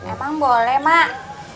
emang boleh mak